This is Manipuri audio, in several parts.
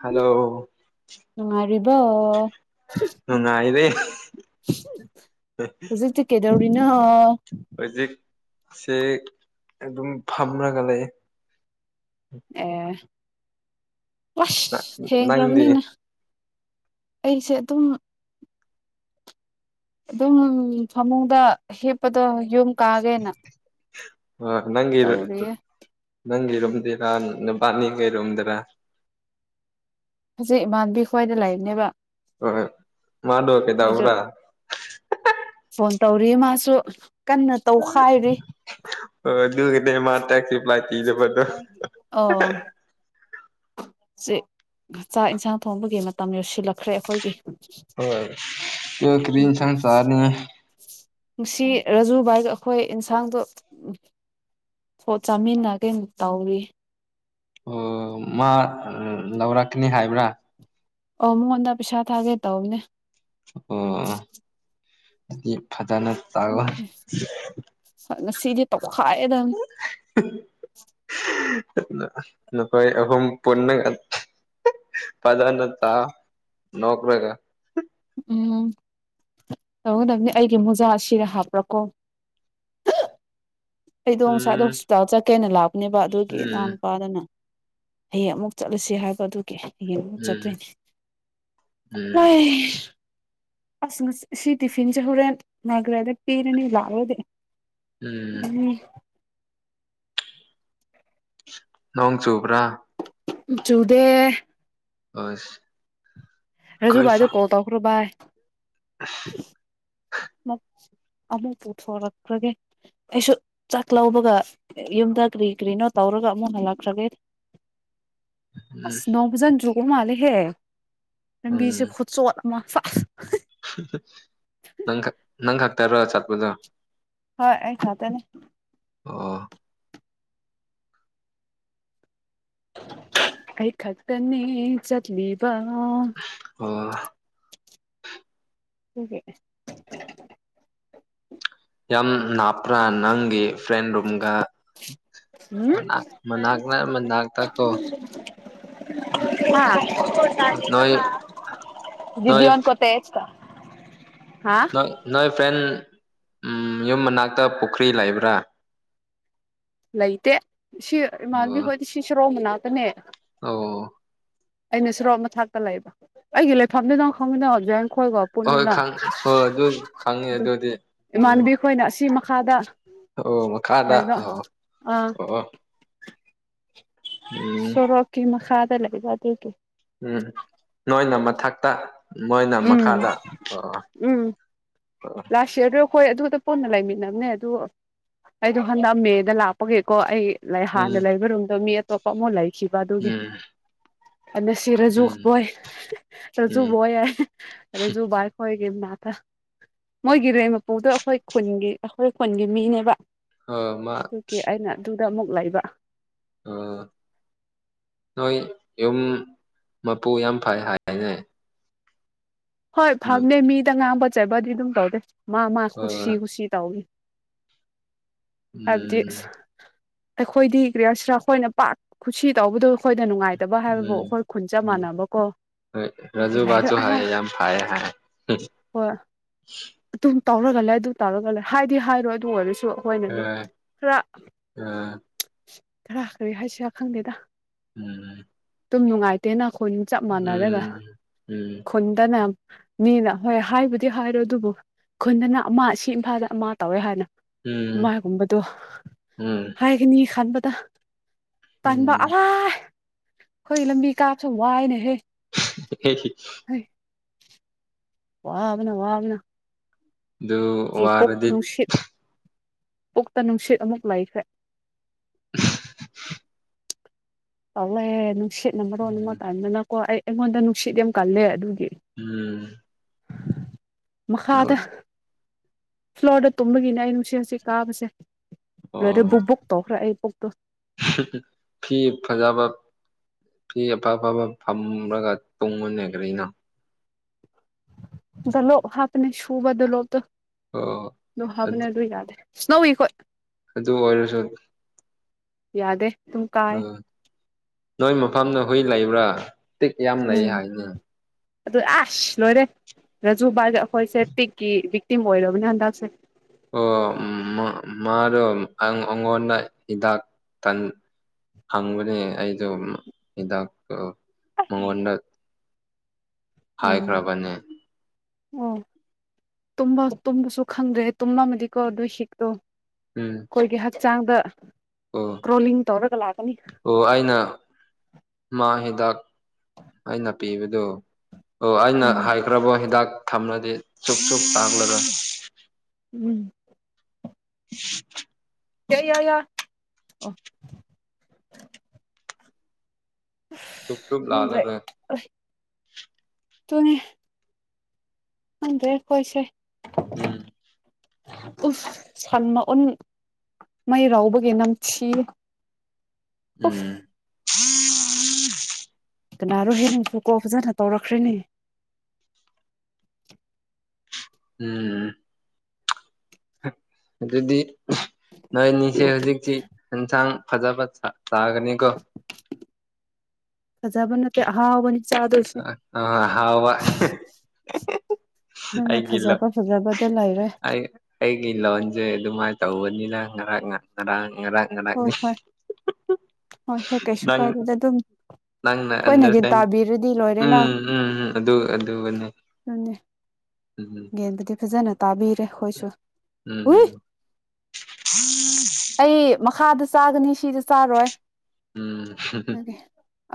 ꯍꯜꯂꯣ ꯅꯨꯡꯉꯔꯤꯕꯣ ꯅꯨꯡꯉꯥꯏꯔꯦ ꯍꯧꯖꯤꯛ ꯗꯦ ꯀꯩꯇꯦꯔꯤꯅꯣ ꯍꯧꯖꯤꯛꯁꯦ ꯑꯗꯨꯝ ꯐꯝꯔꯒ ꯂꯩ ꯑꯥ ꯑꯥꯏꯁ ꯅꯪꯗꯤ ꯊꯦꯪꯈꯔꯕꯅꯤꯅꯥ ꯑꯩꯁꯦ ꯑꯗꯨꯝ ꯑꯗꯨꯝ ꯐꯃꯨꯡꯗ ꯍꯤꯞꯄꯗꯣ ꯌꯨꯝ ꯀꯥꯀꯦ ꯅꯥ ꯑꯥ ꯉꯒꯦ ꯅꯪꯒꯤꯔꯣꯝꯗꯦ ꯅꯨꯄꯥꯅꯤ ꯀꯩꯔꯣꯨꯝꯗꯔꯥ ꯍꯧꯖꯤꯛ ꯏꯃꯥꯟꯕꯤ ꯈ꯭ꯋꯥꯏꯗ ꯂꯩꯕꯅꯤ ꯕꯥ ꯍꯣ꫰ꯍꯣꯌ꫰ꯃꯗꯣ ꯀꯩꯇꯦꯕꯔꯥ ꯐꯣꯟ ꯇꯧꯔꯤ ꯃꯥꯁꯨ ꯀꯟꯅ ꯇꯧꯈꯥꯏꯔꯤ ꯑꯗꯨ ꯃꯥꯔ ꯇꯁꯤꯄ꯭ꯂꯥꯏ ꯑꯦꯗꯥꯄꯥꯗꯣ ꯆ ꯆꯥꯛ ꯌꯦꯟꯁꯥꯡ ꯊꯣꯡꯕꯒꯤ ꯃꯇꯥꯝ ꯌꯧꯁꯤꯜꯂꯛꯈ꯭ꯔꯦ ꯑꯩꯈꯣꯏꯒꯤ ꯍꯣꯏ ꯀ ꯀꯔꯤ ꯑꯦꯟꯁꯪ ꯑꯗꯨ ꯁꯟ ꯆꯥꯔꯅꯤ ꯅꯨꯡꯁꯤ ꯔꯥꯖꯨꯕꯥꯏꯒ ꯑꯩꯈꯣꯏ ꯏꯟꯁꯥꯡꯗꯣ ꯍꯣ ꯆꯥꯃꯤꯟꯅ ꯀꯩ ꯅꯤ ꯇꯧꯔꯤ ꯑꯣ ꯃꯥ ꯂꯧꯔꯛꯀꯅꯤ ꯍꯥꯏꯕꯔꯥ ꯑꯣ ꯃꯣꯍꯣꯟꯗ ꯄꯤꯁꯥ ꯊꯥꯒꯦ ꯇꯅꯦ ꯑꯦ ꯐꯖꯅꯥ ꯁꯥ ꯑꯣꯖ ꯉꯁꯤꯗꯤ ꯇꯧꯈꯥꯏꯑꯦꯗ ꯅꯈꯣ ꯑꯍꯨꯝ ꯄꯨꯟꯅ ꯐꯖꯅ ꯆꯥꯑꯣ ꯅꯧꯀꯔ ꯀ ꯎꯝ ꯇꯧꯒꯗꯕꯅꯤ ꯑꯩꯒꯤ ꯃꯣꯖꯥ ꯁꯤꯔ ꯍꯥꯞꯄ꯭ꯔꯥꯀꯣ ꯍ [inaudible] ꯑꯩꯗꯣ ꯉꯁꯥꯏꯗꯣ ꯎꯝ ꯍꯣꯁꯄꯤꯇꯥꯜ ꯆꯠꯀꯦꯅ ꯂꯥꯛꯄꯅꯦꯕ ꯑꯗꯨꯒꯤ ꯏꯅꯥꯎ ꯎꯝ ꯅꯨꯨꯄꯥꯗꯅ ꯍꯌꯦꯡ ꯑꯃꯨꯛ ꯆꯠꯂꯁꯤ ꯍꯥꯏꯕ ꯑꯗꯨꯒꯤ ꯌꯦꯌꯦꯡꯉ ꯎꯝ ꯆꯠꯇꯣꯏꯅꯦ ꯎꯝ ꯋꯥꯏ ꯑꯁ ꯉ ꯁꯤ ꯇꯤꯐꯤꯟ ꯆꯦ ꯍꯨꯔꯦꯟ ꯅꯥꯒ꯭ꯔꯦꯗ ꯄꯤꯔꯅꯤ ꯂꯥꯛꯑꯣꯗꯤ ꯎꯝ [unintelligible] ꯅꯣꯡ ꯆꯨꯕ꯭ꯔꯥ ꯆꯨꯗꯦ ꯑꯁ ꯔꯖꯨ ꯚꯥꯏꯗ ꯀꯣꯜ ꯇꯧꯈ꯭ꯔꯣ ꯚꯥꯏ ꯑꯁ ꯃꯝ [unintelligible] ꯑꯃꯨꯛ ꯄꯨꯊꯣꯔꯛꯈ꯭ꯔꯒꯦ ꯑꯩꯁꯨ ꯆꯥꯛ ꯂꯧꯕꯒ ꯌꯨꯝꯗ ꯀꯔꯤꯀꯔꯤꯅꯣ ꯇꯧꯔ ꯑꯗꯨꯒ ꯑꯃꯨꯛ ꯍꯜꯂꯛꯈ꯭ꯔꯒꯦ ꯎꯝ ꯑꯁ ꯅꯣꯡꯐꯖꯅ ꯆꯨꯕ ꯃꯥꯂꯦꯍꯦ ꯂꯝꯕꯤꯁꯦ ꯎꯝ ꯈꯨꯆꯣꯠꯑꯃ ꯅꯪ ꯈꯛ ꯅꯪ ꯈꯛꯇꯥꯔꯣ ꯆꯠꯄꯗꯣ ꯍꯣꯏ ꯑꯩ ꯈꯛꯇꯅꯦ ꯑꯥ [inaudible] ꯑꯩ ꯈꯛꯇꯅꯤ ꯆꯠꯂꯤꯕ [inaudible] ꯎꯦ [unintelligible] ꯌꯥꯝ ꯂꯥꯞꯄ꯭ꯔꯥ ꯅꯪꯒꯤ ꯐ꯭ꯔꯦꯟ ꯔꯨꯝꯒ ꯃꯅꯥꯛ [inaudible] ꯃꯅꯥꯛꯅ ꯃꯅꯥꯛꯇ ꯎꯝꯍꯝ ꯀꯣ ꯍꯥ [unintelligible] ꯅꯣꯏ ꯅꯣꯏ ꯚꯤꯗꯤꯌꯣꯟ ꯀꯣꯠꯇꯦꯁ ꯇ ꯅꯣꯏ ꯅꯣꯏ ꯐ꯭ꯔꯦꯟ ꯌꯨꯝ ꯃꯅꯥꯛꯇ ꯄꯨꯛꯈ꯭ꯔꯤ ꯂꯩꯕ꯭ꯔꯥ ꯂꯩꯇꯦ ꯁꯤ ꯏꯃꯥꯟꯕꯤ ꯑꯣ ꯍꯣꯏꯗꯤ ꯁꯤ ꯁꯣꯔꯣꯛ ꯃꯅꯥꯛꯇꯅꯦ ꯑꯣ ꯑꯩꯅ ꯁꯣꯔꯣꯛ ꯃꯥꯊꯛꯇ ꯂꯩꯕ ꯑꯩꯒꯤ ꯂꯩꯐꯝꯗꯤ ꯈꯪꯏꯅ ꯖꯦꯟ ꯑꯩꯈꯣꯏꯒ ꯍꯣꯏ ꯄꯨꯜꯂꯤꯅ ꯈꯪ ꯍꯣꯏ ꯑꯗꯨ ꯈꯪꯉꯦ ꯑꯗꯨ ꯑꯗꯨꯗꯤ ꯎꯝ ꯏꯃꯥꯟꯕꯤ ꯈꯣꯏꯅ ꯑꯁꯤ ꯃꯈꯥꯗ ꯑꯣ ꯃꯈꯥꯗ ꯂꯩꯕ ꯑꯣ ꯑꯥ ꯑꯣ ꯎꯝ ꯁꯣꯔꯣꯛꯀꯤ ꯃꯈꯥꯗ ꯂꯩꯕ ꯑꯗꯨꯒꯤ ꯎꯝ ꯅꯣꯏꯅ ꯃꯊꯛꯇ ꯃꯣꯏꯅ ꯎꯝ ꯃꯈꯥꯗ ꯎꯝ ꯑꯣ ꯂꯥꯁ ꯌꯔꯗꯣ ꯑꯩꯈꯣꯏ ꯑꯗꯨꯗ ꯄꯨꯟꯅ ꯂꯩꯃꯤꯟꯅꯕꯅꯦ ꯑꯗꯨ ꯑꯩꯗꯣ ꯍꯟꯗꯛ ꯃꯦꯗ ꯂꯥꯛꯄꯒꯤꯀꯣ ꯑꯩ ꯂꯩ ꯎꯝ ꯍꯥꯟꯅ ꯂꯩꯕ ꯔꯨꯝꯗꯣ ꯃꯤ ꯑꯇꯣꯞꯄ ꯑꯃꯨꯛ ꯂꯩꯈꯤꯕ ꯑꯗꯨꯒꯤ ꯎꯝ ꯑ ꯁꯤ ꯔꯖꯨ ꯎꯝ ꯣꯣꯏ ꯎꯝ ꯔꯖꯨꯕꯣꯣꯏ ꯌꯥ ꯔꯖꯨ ꯏ ꯈꯣꯏ [unintelligible] ꯃꯣꯏꯒꯤ ꯔꯦꯟꯠ ꯃꯄꯨꯗꯣ ꯑꯩꯈꯣꯏ ꯈꯨꯟꯒꯤ ꯑꯩꯈꯣꯏ ꯈꯨꯟꯒꯤ ꯃꯤꯅꯦꯕ ꯑꯧ ꯃꯥ ꯗ ꯑꯃꯨꯛ ꯂꯩꯕ ꯅꯣꯏ ꯌꯨꯝ ꯃꯄꯨ ꯌꯥꯝ ꯐꯩꯌꯦ ꯍꯥꯏꯌꯦꯅꯦ ꯍꯣꯏ ꯐꯥꯕꯅꯦ ꯃꯤꯗꯥ ꯉꯥꯡꯕ ꯆꯩꯕꯗꯤ ꯑꯗꯨꯝ ꯇꯧꯗꯦ ꯃꯥ ꯃꯥ ꯀꯨꯁꯤ ꯎꯝ ꯀꯨꯁꯤ ꯇꯧꯕꯅꯦ ꯎꯝ ꯑꯩꯈꯣꯏꯗꯤ ꯒ꯭ꯔꯤꯌꯥꯁ꯭ꯔꯥ ꯑꯩꯈꯣꯏꯅ ꯄꯥꯛ ꯀꯨꯁꯤ ꯇꯧꯕꯗꯣ ꯑꯩꯈꯣꯏꯗ ꯅꯨꯡꯉꯥꯏꯇꯦ ꯂꯩꯇꯕ ꯍꯥꯏꯕꯕꯨ ꯎꯝ ꯑꯩꯈꯣꯏ ꯈꯨꯟ ꯆꯞ ꯎꯝ ꯃꯥꯟꯅꯕꯀꯣ ꯑꯗꯨꯒꯤ ꯂꯥꯏꯔꯛ ꯑ ꯑ [unintelligible] ꯇꯧꯔꯒꯂ ꯩ ꯑꯗꯨ ꯇꯧꯔꯒꯂꯩ ꯍꯥꯏꯗꯤ ꯍꯥꯏꯔꯣꯏ ꯑꯗꯨ ꯑꯣꯏꯔꯁꯨ ꯑꯩꯈꯣꯏꯅ ꯑꯗꯨꯝ ꯈꯔ ꯈꯔ ꯀ꯭ꯔꯤ ꯍꯥꯏꯁꯤꯔꯥ ꯈꯪꯗꯦꯗ ꯎꯝ ꯑꯗꯨꯝ ꯅꯨꯡꯉꯥꯏꯇꯦꯅ ꯈꯨꯟ ꯆꯞ ꯃꯥꯟꯅꯔꯒ ꯈꯨꯟꯗꯥꯅ ꯃꯤꯅ ꯍꯣꯏ ꯍꯥꯏꯕꯨꯗꯤ ꯍꯥꯏꯔꯣꯏ ꯑꯗꯨꯕꯨ ꯈꯨꯟꯗꯅ ꯑꯃ ꯁꯤ ꯏꯝꯐꯥꯜꯗꯅ ꯑꯃ ꯇꯧꯋꯦ ꯍꯥꯏꯅ ꯃꯥꯒꯨꯝꯕꯗꯣ ꯍꯥꯏꯒꯅꯤ ꯈꯟꯕꯗ ꯇꯟꯕ ꯑ ꯑꯩꯈꯣꯏ ꯂꯝꯕꯤ ꯀꯥꯕꯁꯦ ꯋꯥꯏꯌꯦꯅꯍꯦ [unintelligible] ꯋꯥꯕꯅ ꯋꯥꯕꯅ ꯑꯗꯨ ꯁꯤ ꯄꯨꯛ ꯋꯥꯔꯗꯤ ꯅꯨꯡꯁꯤꯠ ꯄꯨꯛꯇ ꯅꯨꯡꯁꯤꯠ ꯑꯃꯨꯛꯀ ꯂꯩꯈ꯭ꯔꯦ ꯇꯜꯂꯦ ꯅꯨꯡꯁꯤꯠꯅ ꯃꯔꯣꯟ ꯑꯃ ꯇꯥꯟꯗꯅꯀꯣ ꯑꯩ ꯑꯩꯉꯣꯟꯗ ꯅꯨꯡꯁꯤꯠ ꯌꯥꯝ ꯀꯜꯂꯦ ꯑꯗꯨꯒꯤ ꯎꯝ ꯃꯈꯥꯗ ꯑꯣ ꯐ꯭ꯂꯣꯔꯗ ꯇꯨꯝꯕꯒꯤꯅꯦ ꯑꯩꯅ ꯅꯨꯡꯁꯤꯠ ꯑꯁꯤ ꯀꯥꯕꯁꯦ ꯂꯣꯏꯔꯦ ꯕꯨꯛ-ꯕꯨꯛ ꯇꯧꯈ꯭ꯔꯦ ꯑꯩ ꯄꯨꯛꯇꯣ ꯐꯤ ꯐꯖꯥꯕ ꯐꯤ ꯑꯐ ꯑꯐꯕ ꯐꯝꯔꯥꯒ ꯇꯨꯝꯃꯨꯅꯦ ꯀꯥꯔꯤꯅꯣ ꯗꯣꯂꯣꯞ ꯍꯥꯞꯄꯅꯦ ꯁꯨꯕ ꯗꯣꯂꯣꯞꯇꯣ ꯑꯣ ꯑꯗꯨ ꯍꯥꯞꯄꯅꯦ ꯑꯗꯨ ꯌꯥꯗꯦ ꯁꯅꯣꯋꯤꯈꯣꯏ [unintelligible] ꯑꯗꯨ ꯑꯣꯏꯔꯁꯨ ꯌꯥꯗꯦ ꯑꯗꯨꯝ ꯀꯥꯏ ꯎꯝ ꯅꯣꯏ ꯃꯐꯝꯗ ꯍꯨꯏ ꯂꯩꯕ꯭ꯔꯥ ꯇꯤꯛ ꯌꯥꯝ ꯂꯩꯩꯌꯦ ꯎꯝ ꯍꯥꯏꯕꯅꯦ ꯑꯗꯨ ꯑꯁ ꯂꯣꯏꯔꯦ ꯔꯥꯖꯨꯕꯥꯒ ꯑꯩꯈꯣꯏꯁꯦ ꯇꯤꯛꯀꯤ ꯚꯤꯛꯇꯤꯝ ꯑꯣꯏꯔꯕꯅꯦ ꯍꯟꯗꯛꯁꯦ ꯑꯣ ꯃꯥꯔꯣ ꯑꯩꯉꯣꯟꯗ ꯍꯤꯗꯥꯛ ꯇꯟ ꯍꯪ ꯃꯅꯦ ꯑꯩꯗꯨ ꯏꯀ ꯃꯉꯣꯟ ꯎꯝ ꯍꯥꯏ ꯒ꯭ꯔꯥꯕꯅꯦ ꯑꯣ ꯇꯕ ꯇꯨꯝꯕꯁꯨ ꯈꯪꯗ꯭ꯔꯦ ꯇꯨꯝꯂꯝꯝꯃꯗꯤꯀꯣ ꯑꯗꯨꯏ ꯍꯛꯇꯣ ꯎꯝ ꯍꯛ ꯆꯥꯡꯗ ꯑꯣ ꯑꯣ ꯑꯩꯅ ꯃꯥ ꯍꯤꯗꯥꯛ ꯑꯩꯅ ꯄꯤꯕꯗꯨ ꯑꯣ ꯑꯩꯅ ꯎꯝ ꯍꯥꯏꯈ꯭ꯔꯕꯣ ꯍꯤꯗꯥꯛ ꯊꯝꯂꯗꯤ ꯁꯛ ꯁꯛ ꯇꯥꯡꯂꯒ ꯍꯟ [inaudible] ꯌꯥꯏ ꯌꯥ ꯌꯥꯏ ꯁꯨꯕ ꯁꯨꯕ ꯈꯪꯗ꯭ꯔꯦ ꯂꯥꯂꯔꯦ ꯇ [unintelligible] ꯑꯗꯦꯏꯁꯦ ꯎꯝ ꯎ ꯁꯜꯃ ꯑꯣ [unintelligible] ꯃꯩꯔꯎꯕꯒꯤ ꯅꯝꯊ ꯎꯝ [unintelligible] ꯀꯅꯥꯔꯣ ꯍꯦꯟꯅꯨꯁꯨ ꯀꯣ ꯐꯖꯅ ꯇꯧꯔꯛꯈ꯭ꯔꯦꯅꯦ ꯎꯝ ꯑꯗꯨꯗꯤ ꯅꯣꯏ ꯑꯅꯤꯁꯦ ꯍꯧꯖꯤꯛꯁꯤ ꯌꯦꯟꯁꯥꯡ ꯐꯖ ꯐ ꯆꯥꯒꯅꯤ ꯀꯣ ꯈꯖꯕꯟꯅꯠꯇꯦ ꯑꯍꯥꯎꯕꯅꯤ ꯆꯥꯗꯣꯏꯁꯦ ꯑ ꯍꯥꯎꯕ ꯅꯪꯅ ꯑꯩꯒꯤ ꯂ ꯐꯖꯕ ꯐꯖꯕꯗ ꯂꯩꯔꯦ ꯑꯩ ꯑꯩꯒꯤ ꯂꯣꯟꯁꯩ ꯑꯗꯨꯃꯥꯏꯅ ꯇꯧꯕꯅꯤꯅ ꯉꯔꯥꯡ ꯉ ꯉꯔꯥꯡ ꯍꯣꯏ ꯅꯤ ꯍꯣꯏ ꯍꯣꯏ ꯍꯣꯏ ꯀꯩꯁꯨ [unintelligible] ꯀꯥꯏꯗꯦꯗ ꯑꯗꯨꯝ ꯅꯪ ꯑꯩꯈꯣꯏꯅꯒꯤ [unintelligible] ꯇꯥꯕꯤꯔꯗꯤ ꯂꯣꯏꯔꯦꯅ ꯎꯝ ꯎꯝ ꯑꯗꯨ ꯑꯗꯨ ꯌꯦꯟꯗꯗꯤ ꯈꯖꯅ ꯇꯥꯕꯤꯔ [unintelligible] ꯁꯨ ꯍꯏ ꯎꯝ ꯑꯩ ꯃꯈꯥꯗ ꯆꯥꯒꯅꯤ ꯁꯤꯗ ꯆꯥꯔꯣꯏ ꯎꯝ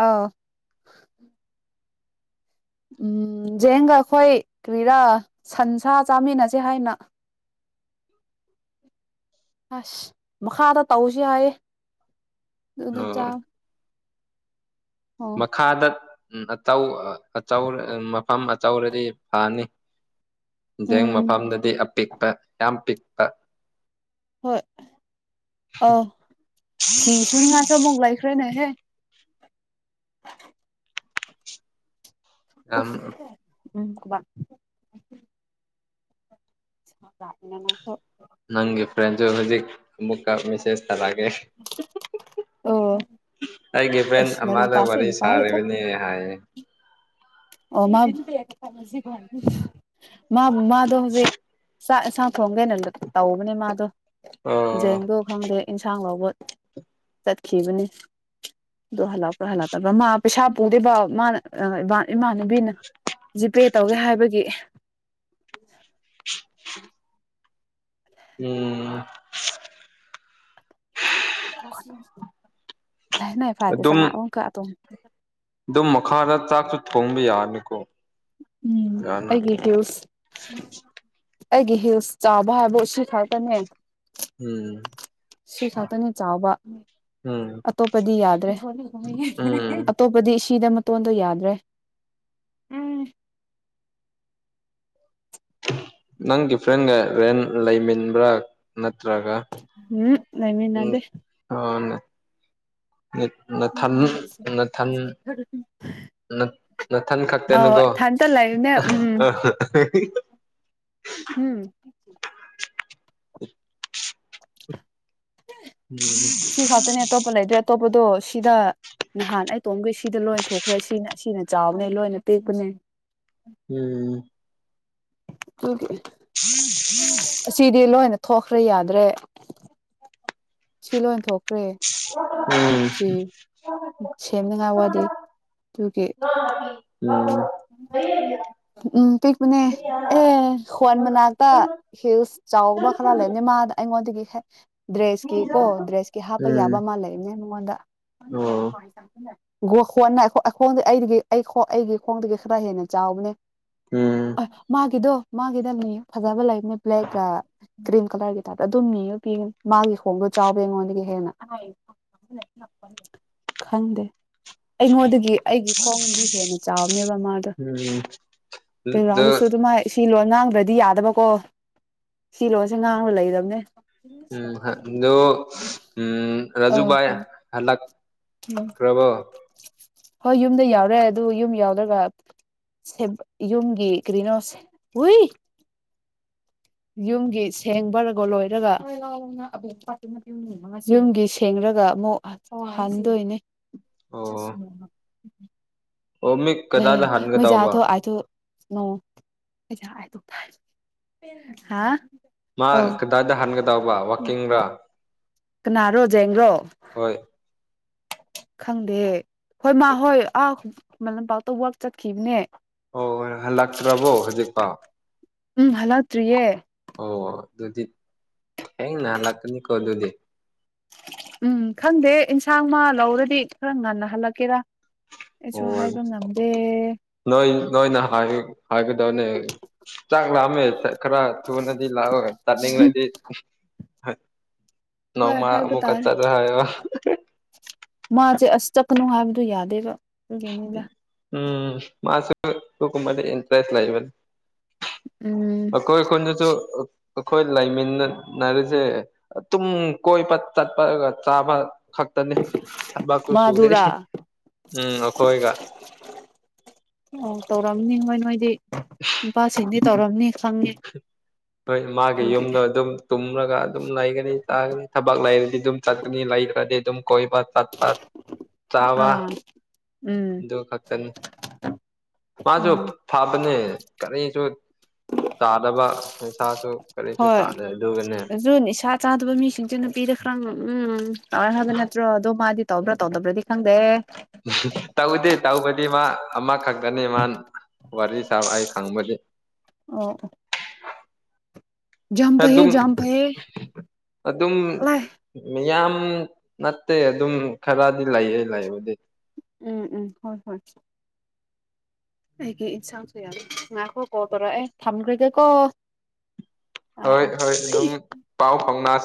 ꯑꯥꯎ ꯎꯝ ꯖꯦꯡꯒ ꯑꯩꯈꯣꯏ ꯀꯔꯤꯔꯥ ꯁꯟꯁꯥ ꯆꯥꯃꯤꯟꯅꯁꯦ ꯍꯥꯏꯅ ꯑꯁ ꯃꯈꯥꯗ ꯇꯧꯁꯤ ꯍꯥꯏꯌꯦ ꯑꯗꯨꯗ ꯑꯣ ꯆꯥ ꯑꯣ ꯃꯈꯥꯗ ꯎ ꯑꯆꯧ ꯑꯆ ꯃꯐꯝ ꯑꯆꯧꯔꯗꯤ ꯐꯅꯤ ꯖꯦꯡ ꯎꯝ ꯃꯐꯝꯗꯗꯤ ꯑꯄꯤꯛꯄ ꯌꯥꯝ ꯄꯤꯛꯄ ꯍꯣꯏ ꯑꯥꯎ ꯐꯤ ꯁꯨꯅꯤꯡꯉꯥꯁꯨ ꯑꯃꯨꯛ ꯂꯩꯈ꯭ꯔꯦꯅꯦꯍꯦ ꯑ [unintelligible] ꯌꯥꯝ ꯎꯝ [unintelligible] [unintelligible] ꯅꯪꯒꯤ ꯐ꯭ꯔꯦꯟꯁ ꯍꯧꯖꯤꯛ ꯃꯨꯛ ꯃꯦꯁꯦꯁ ꯇꯔꯒꯦ ꯑꯩ ꯒꯤꯕꯦꯟ ꯑꯁ ꯑꯔ ꯂꯥꯏꯔꯤꯛ ꯋꯥꯔꯤ ꯄꯥꯁꯦ ꯋꯥꯔꯤ ꯑꯣꯏꯅ ꯄꯥ ꯂꯩꯊꯣ ꯁꯔꯅꯤ ꯍꯥꯏ ꯑꯣ ꯃꯥꯗ ꯍꯧꯖꯤꯛ [unintelligible] ꯆꯥꯛ ꯌꯦꯟꯁꯥꯡ ꯊꯣꯡꯒꯦꯅ ꯇꯧꯕꯅꯦ ꯃꯥꯗꯣ ꯑꯣ ꯖꯦꯡꯗꯣ ꯈꯪꯗꯦ ꯏꯟꯁꯥꯡ ꯂꯥꯎꯧꯕ ꯆꯠꯈꯤꯕꯅꯤ ꯗꯣ ꯍꯥꯂꯄ ꯍꯂ ꯇ ꯃ ꯄꯦꯁꯥꯄꯨꯗ ꯃꯥꯅ ꯏꯃꯥꯟꯅꯕꯤꯅ ꯖꯤꯄꯦ ꯇꯧꯒꯦ ꯍꯥꯏꯕꯒꯤ [inaudible] ꯎꯝ ꯑꯗꯨꯝ [unintelligible] ꯑꯗꯨꯝ ꯃꯈꯥꯗ ꯆꯥꯛꯁꯨ ꯊꯣꯡꯕ ꯌꯥꯕꯅꯤꯀꯣ ꯎꯝ ꯑꯩꯒꯤ [unintelligible] ꯑꯩꯒꯤ ꯍꯤꯜꯁ ꯆꯥꯕ ꯍꯥꯏꯕ ꯁꯤ ꯈꯛꯇꯅꯦ ꯎꯝ ꯁꯤ ꯈꯛꯇꯅꯤ ꯆꯥꯎꯕ ꯎꯝ ꯑꯇꯣꯞꯄꯗꯤ ꯌꯥꯗ꯭ꯔꯦ ꯎꯝ ꯑꯇꯣꯞꯄꯗꯤ ꯁꯤꯗ ꯃꯇꯣꯟꯗꯣ ꯌꯥꯗ꯭ꯔꯦ ꯎꯝ ꯅꯪꯒꯤ ꯐ꯭ꯔꯦꯟꯒ ꯔꯦꯟ ꯂꯩꯃꯤꯕ꯭ꯔꯥ ꯅꯠꯇ꯭ꯔꯒ ꯎꯝ ꯎꯝ ꯂꯩꯃꯤꯟꯅꯗꯦ ꯍꯅꯦ [unintelligible] ꯅꯊꯟ ꯅꯊꯟ ꯅꯊꯟ ꯑꯧ ꯈꯛꯇꯅꯤꯀꯣ ꯏꯊꯟꯇ ꯂꯩꯕꯅꯦ ꯎꯝ ꯎꯝ [inaudible] ꯁꯤ ꯈꯛꯇꯅꯦ ꯑꯇꯣꯞꯄ ꯂꯩꯇ꯭ꯔꯦ ꯑꯇꯣꯞꯄꯗꯣ ꯁꯤꯗ ꯅꯍꯥꯟ ꯑꯩꯇꯣꯝꯈꯩ ꯁꯤꯗ ꯂꯣꯏꯅ ꯊꯣꯛꯈ꯭ꯔꯦ ꯁꯤꯅ ꯁꯤꯅ ꯆꯥꯎꯕꯅꯦ ꯂꯣꯏꯅ ꯇꯦꯛꯄꯅꯦ ꯎꯝ [unintelligible] ꯑꯁꯤꯗꯤ ꯅꯣꯏꯅꯥ ꯊꯣꯛꯈ꯭ꯔꯦ ꯌꯥꯗ꯭ꯔꯦ ꯁꯤ ꯂꯣꯏꯊꯣꯛꯈ꯭ꯔꯦ ꯎꯝ ꯁꯤ ꯎꯝ ꯁꯦꯝꯅꯤꯉꯥꯏ ꯋꯥꯗꯦ ꯇꯒꯤ [unintelligible] ꯎꯝ [unintelligible] ꯎꯝ ꯄꯤꯛꯄꯅꯦ ꯑꯦ ꯍ꯭ꯋꯥꯟ ꯃꯅꯥꯛꯇ ꯍꯤꯜꯁ ꯆꯥꯎꯕ ꯈꯔ ꯂꯩꯅꯦ ꯃꯥꯗ ꯑꯩꯉꯣꯟꯗꯒꯤ ꯗ꯭ꯔꯦꯁꯀꯤ ꯀꯣ ꯗ꯭ꯔꯦꯁꯀꯤ ꯍꯥꯞꯄ ꯌꯥꯕ ꯎꯝ ꯑꯃ ꯂꯩꯕꯅꯦ ꯃꯉꯣꯟꯗ ꯑꯣ ꯑꯩꯈꯗ ꯑꯩ ꯑꯩꯒꯤ [unintelligible] ꯈꯣꯡꯗꯒꯤ ꯈꯔ ꯍꯦꯟꯅ ꯆꯥꯎꯕꯅꯦ ꯎꯝ ꯃꯥꯒꯤꯗꯣ ꯃꯥꯒꯤꯗ ꯃꯤ ꯐꯖꯕ ꯂꯩ [unintelligible] ꯒ꯭ꯔꯤꯟ ꯀꯂꯔꯒꯤ ꯇꯥꯏꯞꯇ ꯑꯗꯨꯝ ꯌꯦꯉꯥ ꯄꯤꯌꯣ ꯃꯥꯒꯤ ꯈꯣꯡꯗꯣ ꯆꯥꯎꯕ ꯑꯩꯉꯣꯟꯗꯒꯤ ꯍꯦꯟꯅ ꯈꯪꯗꯦ ꯑꯩꯉꯣꯟꯗꯒꯤ ꯑꯩꯒꯤ ꯈꯣꯡꯗꯤ ꯍꯦꯟꯅ ꯆꯥꯎꯕꯅꯦꯕ ꯃꯥꯗꯣ ꯎꯝ ꯑꯗꯨ ꯗꯁꯨ ꯑꯗꯨꯃꯥꯏ ꯁꯤ ꯂꯣꯟ ꯉꯥꯡꯗ꯭ꯔꯗꯤ ꯌꯥꯗꯕꯀꯣ ꯁꯤ ꯂꯣꯟꯁꯦ ꯉꯥꯡꯅ ꯂꯩꯔꯕꯅꯦ ꯎꯝ ꯎꯝ ꯑꯧ ꯔꯖꯨꯕꯥꯏ ꯍꯂ [unintelligible] ꯀ꯭ꯔꯃ [unintelligible] ꯍꯣꯏ ꯌꯨꯝꯗ ꯌꯧꯔꯦ ꯑꯗꯨ ꯌꯨꯝ ꯌꯧꯔꯒ ꯌꯨꯝꯒꯤ ꯀꯔꯤꯅꯣꯁꯦ [unintelligible] ꯌꯨꯝꯒꯤ ꯁꯦꯡꯕꯒ ꯂꯣꯏꯔꯒ ꯌꯨꯝꯒꯤ ꯁꯦꯡ ꯈꯔꯒ ꯑꯃꯨꯛ ꯍꯟꯗꯣꯏꯅꯦ ꯑꯣ ꯑꯣ ꯃꯤ ꯂꯩ ꯀꯗꯥꯏꯗ ꯃ ꯌꯥ ꯍꯟꯒꯗꯧꯕ ꯊ ꯑꯊꯅꯣ [unintelligible] ꯍꯥ [unintelligible] ꯃꯥ ꯑꯧ ꯀꯗꯥꯗ ꯍꯟꯒꯗꯕ ꯋꯥꯛꯀꯤꯡꯜ ꯀꯅꯥꯔꯣ ꯖꯦꯡ꯭ꯔꯣ ꯈꯪꯗꯦ ꯍꯣꯏ ꯃꯥ ꯍꯣꯏ ꯑꯥ ꯂꯝꯄꯥꯛꯇ ꯋꯥꯛ ꯆꯠꯈꯤꯕꯅꯦ ꯑꯣ ꯍꯜꯂꯛꯇ꯭ꯔꯕꯣ ꯍꯧꯖꯤꯛꯐꯥꯎ ꯎꯝ ꯍꯜꯂꯛꯇ꯭ꯔꯤꯌꯦ ꯑꯣ ꯑꯗꯨꯗꯤ ꯊꯦꯡꯅꯥ ꯍꯜꯂꯛꯀꯅꯤꯀꯣ ꯑꯗꯨꯗꯤ ꯎꯝ ꯈꯪꯗꯦ ꯑꯦꯟꯁꯥꯡ ꯃꯥ ꯂꯧꯔꯗꯤ ꯈꯔ ꯉꯟꯅ ꯍꯜꯂꯛꯀꯦꯔꯥ ꯑꯩꯁꯨ ꯍꯣꯏ ꯍꯥꯏꯕ ꯉꯝꯗꯦ ꯅꯣꯏ ꯅꯣꯏꯅ ꯍꯥꯏ ꯍꯥꯏꯒꯗꯕꯅꯦ ꯆꯥꯛ ꯂꯥꯝꯃꯦ ꯈꯔ ꯊꯨꯅꯗꯤ ꯂꯥꯛꯑꯣ ꯆꯥꯅꯤꯡꯂꯗꯤ ꯍꯣꯏ ꯅꯣꯡꯃ ꯍꯥꯏꯕ ꯑꯃꯨꯛꯀ ꯇꯥꯔꯦ ꯆꯇꯂꯣ ꯃꯥꯁꯦ ꯑꯁ ꯆꯠꯀꯥꯅꯨ ꯍꯥꯏꯕꯗꯨꯣ ꯌꯥꯗꯦꯕ ꯑꯗꯨꯒꯤꯅꯤꯗ ꯎꯝ ꯃꯥ ꯀꯨꯀ ꯏꯟꯇꯔꯦꯁ ꯂꯩꯕ ꯎꯝ [unintelligible] ꯑꯈꯣꯏ ꯀꯣꯟꯗꯁꯨ ꯑꯩꯈꯣꯏ ꯂꯩꯃꯤꯟꯅꯟꯅꯔꯤꯁꯦ ꯇꯨꯝ ꯀꯣꯏꯕ ꯆꯠꯄꯒ ꯆꯥꯕ ꯈꯛꯛꯇꯅꯦ ꯊꯕꯥꯥꯛꯁꯨ ꯃꯥꯗꯨꯔꯥ ꯁꯨꯗꯦꯁ ꯎꯝ ꯑꯣꯈꯣꯏꯒ ꯅꯤꯡ ꯍꯣꯏ ꯅꯣꯏꯗꯤ ꯅꯨꯄꯥꯁꯤꯡꯗꯤ ꯇꯧꯔꯝꯅꯤ ꯈꯪꯉꯦ ꯍꯣꯏ ꯃꯥꯒꯤ ꯑꯗꯨꯒꯤ ꯌꯨꯝꯗꯣ ꯑꯗꯨꯝ ꯇꯨꯝꯂꯒ ꯑꯗꯨꯝ ꯂꯩꯒꯅꯤ ꯇꯥꯒꯅꯤ ꯊꯕꯛ ꯂꯩꯔꯗꯤ ꯑꯗꯨꯝ ꯆꯠꯀꯅꯤ ꯂꯩꯈ꯭ꯔꯗꯤ ꯑꯗꯨꯝ ꯀꯣꯏꯕ ꯆꯠꯄ ꯆꯥꯕ ꯑꯥ ꯎꯝ ꯑꯗꯨꯗꯨ ꯈꯛꯇꯅꯤ ꯃꯥꯁꯨ ꯑꯣ ꯐꯕꯅꯦ ꯀꯔꯤꯁꯨ ꯆꯥꯗꯕ ꯄꯩꯁꯥꯁꯨ ꯍꯣꯏ ꯑꯗꯨ ꯅꯤꯁꯥ ꯆꯥꯗꯕ ꯃꯤꯁꯤꯡꯗꯨꯅ ꯄꯤꯔ ꯈ꯭ꯔꯥ ꯎꯝ ꯇꯔ ꯍꯥꯏꯕ ꯅꯠꯇ꯭ꯔꯣ ꯑꯗꯣ ꯃꯥꯗꯤ ꯇꯧꯕ꯭ꯔꯥ ꯇꯧꯗꯕ꯭ꯔꯗꯤ ꯈꯪꯗꯦ ꯇꯧꯗꯦ ꯇꯧꯕꯗꯤ ꯏ ꯃꯥ ꯑꯃ ꯈꯛꯇꯅꯤ ꯃꯥꯥꯟ ꯋꯥꯔꯤꯔꯗꯤꯁ ꯑ ꯈꯥꯡꯪꯕꯦ ꯑꯣ ꯌꯥꯝ ꯐꯩꯌꯦ ꯑꯗꯨꯝ ꯌꯥꯝ ꯐꯩꯌꯦ ꯑꯗꯨꯝ ꯑꯂꯥꯏ ꯃꯤꯌꯥꯝ ꯑꯗꯨꯝ ꯅꯠꯇꯦ ꯑꯗꯨꯝ ꯈꯔꯗꯤ ꯂꯩꯌꯦ ꯂꯩꯕꯗꯤ ꯎꯝ ꯎꯝ ꯍꯣꯏ ꯍꯣꯏ ꯑꯩꯒꯤ ꯏꯟꯁꯥꯡꯁꯨ ꯌꯥꯅꯤꯦ ꯉꯥꯏꯈꯣ ꯀꯣ ꯇꯧꯔꯛ ꯑꯦ ꯊꯝꯈ꯭ꯔꯒꯦ ꯀꯣ ꯍꯣꯏ ꯍꯣꯏ ꯑꯗꯨꯝ ꯄꯥꯎ ꯐꯥꯎꯅꯁꯤ